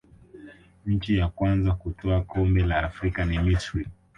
nchi ya kwanza kutwaa kombe la afrika ni misri